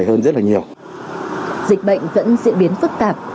dịch bệnh vẫn diễn biến phức tạp